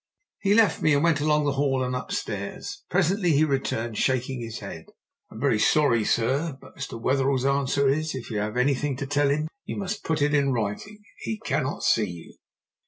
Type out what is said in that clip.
He left me and went along the hall and upstairs. Presently he returned, shaking his head. "I am very sorry, sir, but Mr. Wetherell's answer is, if you have anything to tell him you must put it in writing; he cannot see you."